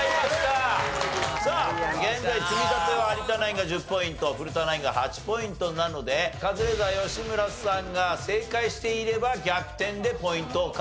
さあ現在積み立ては有田ナインが１０ポイント古田ナインが８ポイントなのでカズレーザー吉村さんが正解していれば逆転でポイントを獲得すると。